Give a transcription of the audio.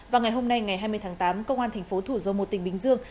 vào ngày hôm nay ngày hai mươi tháng tám công an thành phố thủ dâu một tỉnh bình dương